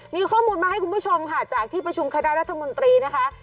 มีข้อมูลมาให้คุณผู้ชมค่ะจากที่ประชุมคณะรัฐมนตรีนะคะ